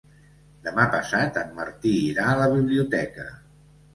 Demà passat en Martí irà a la biblioteca.